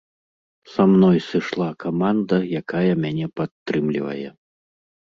Са мной сышла каманда, якая мяне падтрымлівае.